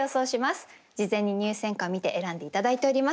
事前に入選歌を見て選んで頂いております。